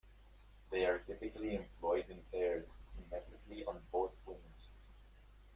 They are typically employed in pairs, symmetrically on both wings.